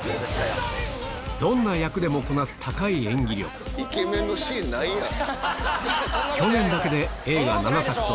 どんな役でもこなすイケメンのシーンないやん。